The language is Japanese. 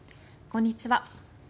こんにちは。